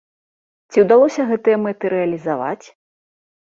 Ці ўдалося гэтыя мэты рэалізаваць?